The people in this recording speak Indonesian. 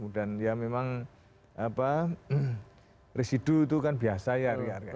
dan ya memang residu itu kan biasa ya